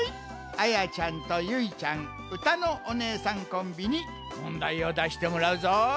あやちゃんとゆいちゃんうたのおねえさんコンビにもんだいをだしてもらうぞい！